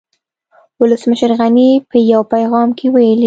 ولسمشر غني په يو پيغام کې ويلي